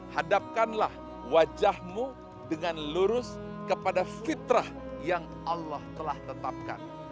hadapkanlah wajahmu dengan lurus kepada fitrah yang allah telah tetapkan